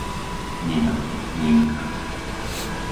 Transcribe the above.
Nina, Ninka